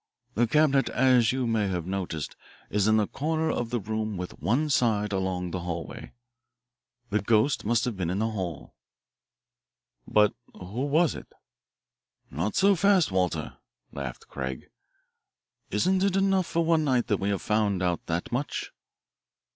The cabinet, as you may have noticed, is in a corner of the room with one side along the hallway. The ghost must have been in the hall." "But who was it?" "Not so fast, Walter," laughed Craig. "Isn't it enough for one night that we have found out that much?"